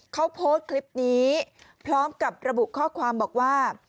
เขาโพสต์คลิปนี้พร้อมกับระบุข้อความบอกว่า